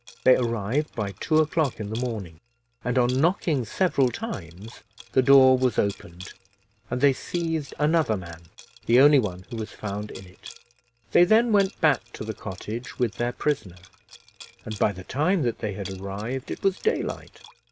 They arrived by two o'clock in the morning, and, on knocking several times, the door was opened and they seized another man, the only one who was found in it. They then went back to the cottage with their prisoner, and by the time that they had arrived it was daylight.